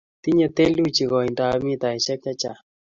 tinye theluji koindo ab mitaishek che chang